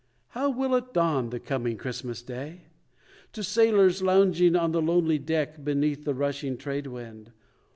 How will it dawn, the coming Christmas Day? To sailors lounging on the lonely deck Beneath the rushing trade wind?